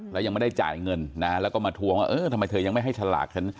แล้วยังไม่ได้จ่ายเงินนะฮะแล้วก็มาทวงว่าเออทำไมเธอยังไม่ให้ฉลากฉัน